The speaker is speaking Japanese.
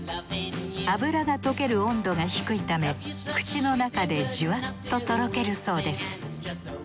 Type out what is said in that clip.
脂が溶ける温度が低いため口のなかでジュワッととろけるそうです。